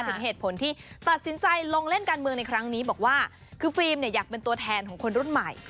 ถึงเหตุผลที่ตัดสินใจลงเล่นการเมืองในครั้งนี้บอกว่าคือฟิล์มเนี่ยอยากเป็นตัวแทนของคนรุ่นใหม่